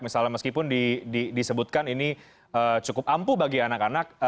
misalnya meskipun disebutkan ini cukup ampuh bagi anak anak